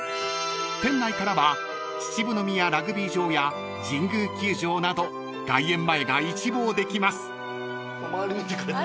［店内からは秩父宮ラグビー場や神宮球場など外苑前が一望できます］